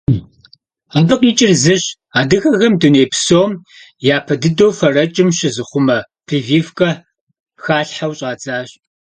Абы къикӏыр зыщ: адыгэхэм дуней псом япэ дыдэу фэрэкӏым щызыхъумэ прививкэ халъхьэу щӏадзащ.